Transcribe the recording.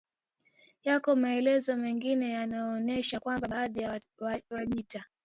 Yako maelezo mengine yanayoonesha kwamba baadhi ya Wajita